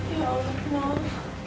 ya allah nol